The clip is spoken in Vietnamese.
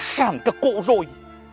khán cả cổ rồi